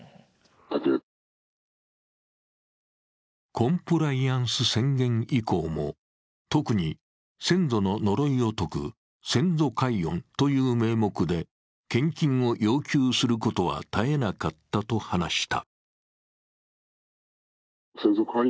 コンプライアンス宣言以降も特に先祖の呪いを解く先祖解怨という名目で献金を要求することは絶えなかったと話した。